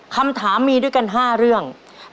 คำถามมีด้วยกัน๕เรื่อง